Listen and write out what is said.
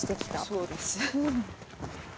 そうです。